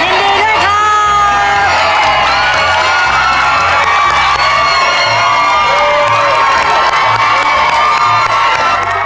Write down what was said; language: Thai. ยินดีด้วยครับ